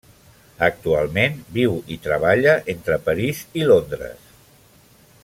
Actualment viu i treballa entre París i Londres.